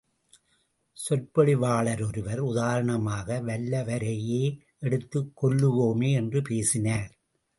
சொற்பொழிவாளர் ஒருவர், உதாரணமாக வல்லுவரையே எடுத்துக் கொல்லுவோமே என்று பேசினார்.